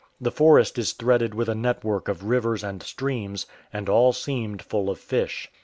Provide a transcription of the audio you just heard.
The forest is threaded with a network of rivers and streams, and all seemed full of fish.